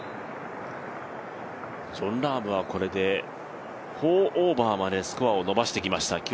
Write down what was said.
ジョン・ラームはこれで４オーバーまでスコアを伸ばしてきました。